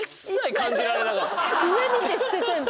上見て捨ててんの。